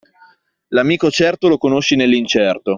L'amico certo lo conosci nell'incerto.